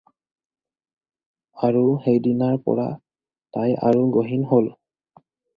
আৰু সেইদিনাৰ পৰা তাই আৰু গহীন হ'ল।